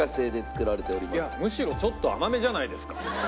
むしろちょっと甘めじゃないですか。